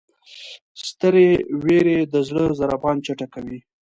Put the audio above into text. سترې وېرې د زړه ضربان چټکوي.